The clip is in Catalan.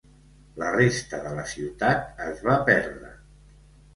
La resta de la ciutat es va perdre.